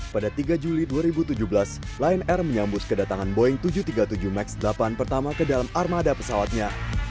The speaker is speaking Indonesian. pada tiga juli dua ribu tujuh belas lion air menyambus kedatangan boeing tujuh ratus tiga puluh tujuh max delapan pertama ke dalam armada pesawatnya